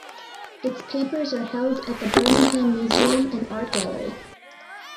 Its papers are held at the Birmingham Museum and Art Gallery.